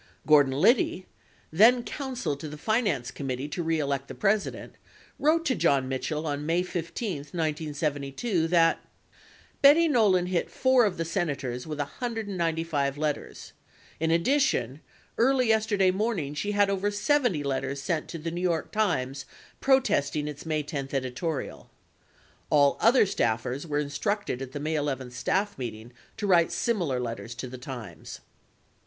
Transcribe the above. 48 Gordon Liddy, then counsel to the Finance Committee To Re Elect the President, wrote to John Mitchell on May 15, 1972, that : Betty Nolan hit four of the Senators with 195 letters. In addition, early yesterday morning she had over 70 letters sent to the New York Times protesting its May 10 editorial. (All other staffers were instructed at the May 11 staff meeting to write similar letters to the Times)